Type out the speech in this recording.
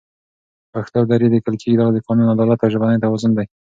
پښتو او دري لیکل کېږي، دا د قانون، عدالت او ژبني توازن